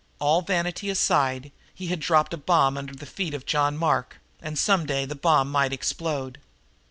All vanity aside, he had dropped a bomb under the feet of John Mark, and some day the bomb might explode.